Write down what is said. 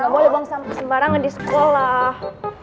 nggak boleh bang sampai sembarangan di sekolah